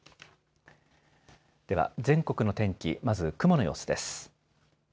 では全国の天気、まず雲の様子です。